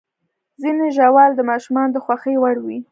ځینې ژاولې د ماشومانو د خوښې وړ وي.